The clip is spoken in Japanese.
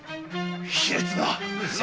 卑劣な！